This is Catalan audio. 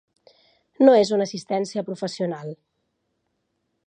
No és una assistència professional.